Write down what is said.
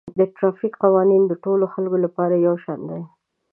د ټرافیک قوانین د ټولو خلکو لپاره یو شان دي